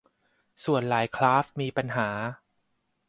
ส่วนหลายคราฟต์มีปัญหา